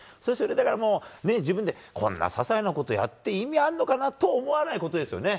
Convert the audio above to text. だから、自分でこんな些細なことをやって意味あるのかなと思わないことですよね。